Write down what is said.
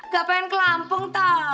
gak pengen ke lampung tau